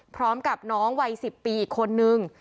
พร้อมกับน้องวัย๑๐ปีอีกคนนึง